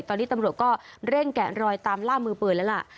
ตอนนี้ตำรวจก็เร่งแกะรอยตามล่ามือปืนแล้วล่ะ